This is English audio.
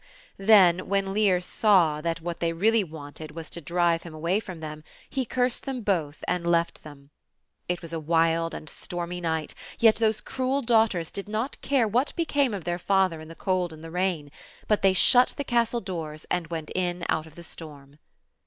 Then when Lear saw that what they really wanted was to drive "him away from them, he cursed them both and left them. It was a wild and stormy night, yet those cruel daughters did not care what became of their father in the cold and the rain, but they shut the castle doors and went in out of the storm.